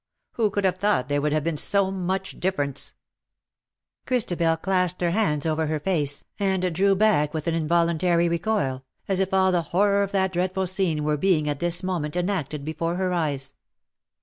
Who could have thought there would have been so much difference T' Christabel clasped her hands over her face, and 296 drew back with an involuntary recoil, as if all the horror of that dreadful scene were being at this moment enacted before her eyes.